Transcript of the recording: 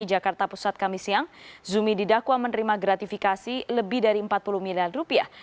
di jakarta pusat kami siang zumi didakwa menerima gratifikasi lebih dari empat puluh miliar rupiah